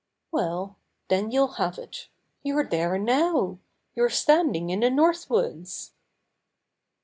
"Well, then you'll have it. You're there now! You're standing in the North Woods